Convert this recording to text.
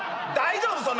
大丈夫？